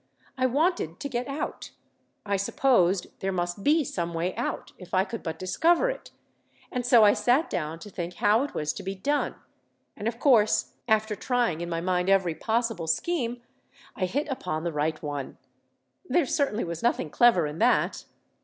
I wanted to get out. I supposed there must be some way out, if I could but discover it, and so I sat down to think how it was to be done; and of course, after trying in my mind every possible scheme, I hit upon the right one. There certainly was nothing clever in that."